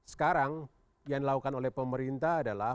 sekarang yang dilakukan oleh pemerintah adalah